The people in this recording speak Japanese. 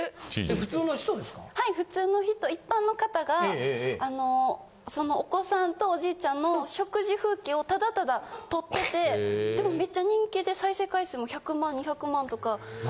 普通の人一般の方があのそのお子さんとおじいちゃんの食事風景をただただ撮っててでもめっちゃ人気で再生回数も１００万２００万とか。